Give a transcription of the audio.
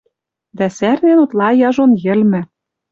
Дӓ сӓрнен утла яжон йӹлмӹ